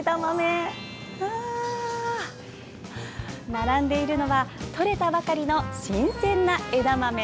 並んでいるのはとれたばかりの新鮮な枝豆。